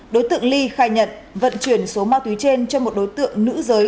đối tượng ly khai nhận vận chuyển số ma túy trên cho một đối tượng nữ giới